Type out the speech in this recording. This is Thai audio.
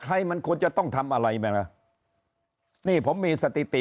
ใครมันควรจะต้องทำอะไรไหมล่ะนี่ผมมีสติติ